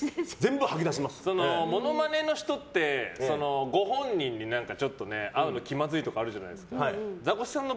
モノマネの人って、ご本人にちょっと会うのが気まずいとかあるじゃないですか。